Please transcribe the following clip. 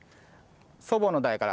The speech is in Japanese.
祖母の代から。